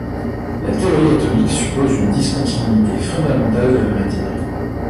La théorie atomique suppose une discontinuité fondamentale de la matière.